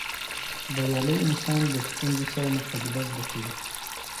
بریالی انسان د ستونزو سره مقابله زده کوي.